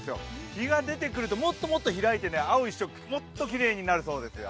日が出てくるともっともっと開いて青一色もっときれいになります。